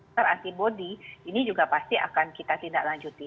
perantibodi ini juga pasti akan kita tindak lanjuti